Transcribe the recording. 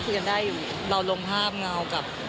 เพื่อนสาวค่ะ